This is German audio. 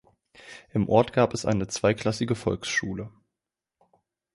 Im Ort gab es eine zweiklassige Volksschule.